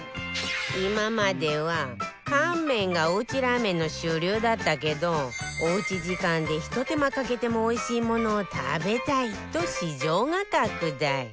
今までは乾麺がおうちラーメンの主流だったけどおうち時間でひと手間かけてもおいしいものを食べたいと市場が拡大